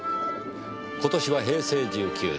今年は平成１９年。